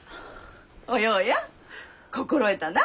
お葉や心得たな？